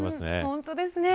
本当ですね。